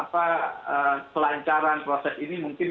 pelancaran proses ini mungkin